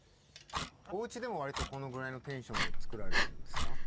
おうちでもわりとこのぐらいのテンションで作られてるんですか？